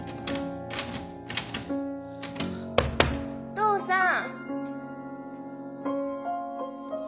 お父さん。